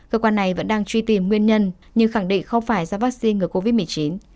cơ quan này vẫn đang truy tìm nguyên nhân nhưng khẳng định không phải do vaccine ngừa covid một mươi chín